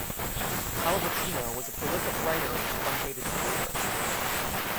Pallavicino was a prolific writer in his truncated career.